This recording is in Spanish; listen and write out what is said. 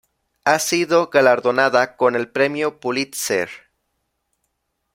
Ha sido galardonada con el Premio Pulitzer.